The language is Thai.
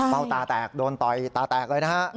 ตาแตกโดนต่อยตาแตกเลยนะฮะ